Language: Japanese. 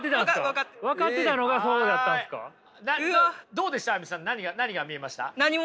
どうでしたＡＹＵＭＩさん何が見えました？